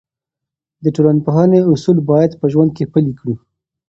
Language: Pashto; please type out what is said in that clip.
د ټولنپوهنې اصول باید په ژوند کې پلي کړو.